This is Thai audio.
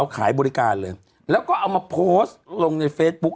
ขายบริการเลยแล้วก็เอามาโพสต์ลงในเฟซบุ๊ค